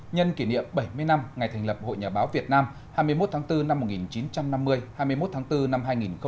nhân kỷ niệm bảy mươi năm ngày thành lập hội nhà báo việt nam hai mươi một tháng bốn năm một nghìn chín trăm năm mươi hai mươi một tháng bốn năm hai nghìn hai mươi